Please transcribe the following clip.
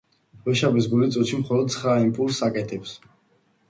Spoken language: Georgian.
ვეშაპის გული წუთში მხოლოდ ცხრა იმპულსს აკეთებს.